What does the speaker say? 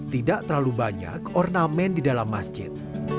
tidak terlalu banyak ornamen di dalam masjid